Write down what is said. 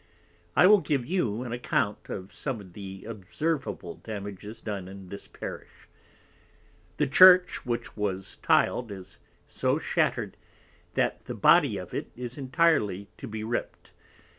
I will give you an Account of some of the observable Damages done in this Parish: The Church which was Til'd is so shattered, that the Body of it is entirely to be ripp'd.